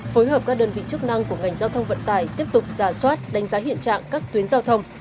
phối hợp các đơn vị chức năng của ngành giao thông vận tải tiếp tục giả soát đánh giá hiện trạng các tuyến giao thông